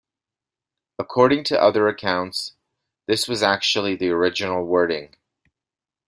According to other accounts, this was actually the original wording.